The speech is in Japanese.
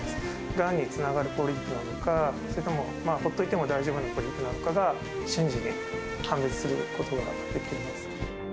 がんにつながるポリープなのか、それとも放っておいても大丈夫なポリープなのか、瞬時に判別することができます。